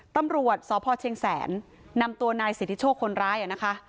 ตำรวจสพเชียงแสนนำตัวนายสิทธิโชคคนร้ายนะคะ